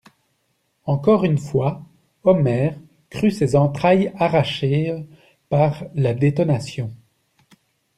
Encore une fois, Omer crut ses entrailles arrachées par la détonation.